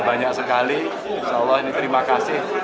banyak sekali insya allah ini terima kasih